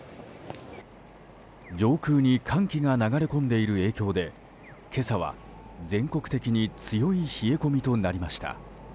上空に寒気が流れ込んでいる影響で今朝は全国的に強い冷え込みとなりました。